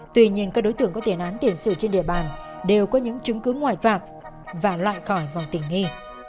tuy nhiên các đối tượng có tiền án tiền sự trên địa bàn đều có những chứng cứ ngoại phạm và loại khỏi vòng tình nghi